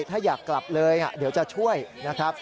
ถ้าอยากกลับเลยเดี๋ยวจะช่วยนะครับ